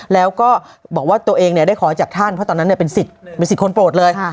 แล้วก็บอกว่าตัวเองได้ขอจากท่านเพราะตอนนั้นเป็นสิทธิ์คนโปรดเลย